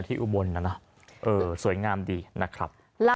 ที่อุบลนะนะเอ่อสวยงามดีนะครับ